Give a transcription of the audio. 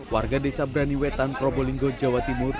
warga desa braniwetan probolinggo jawa timur